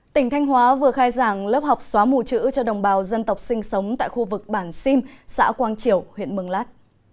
tỉnh thanh hóa vừa khai giảng lớp học xóa mù chữ cho đồng bào dân tộc sinh sống tại khu vực bản sim xã quang triều huyện mường lát